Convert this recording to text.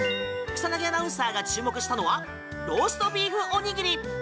草薙アナウンサーが注目したのはローストビーフおにぎり。